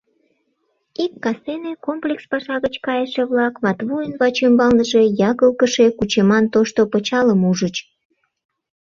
Ик кастене комплекс паша гыч кайыше-влак Матвуйын вачӱмбалныже ягылгыше кучеман тошто пычалым ужыч.